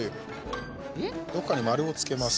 どこかに丸をつけます。